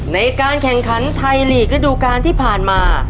ในการแข่งขันไทยลีกระดูกาลที่ผ่านมา